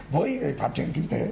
với phát triển kinh tế